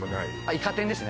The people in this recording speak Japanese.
イカ天ですね